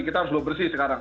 kita harus bersih sekarang